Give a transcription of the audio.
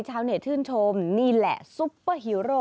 ชาวเน็ตชื่นชมนี่แหละซุปเปอร์ฮีโร่